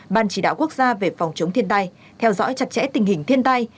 ban chỉ đạo quốc gia về phòng chống thiên tai theo dõi chặt chẽ tình hình thiên tai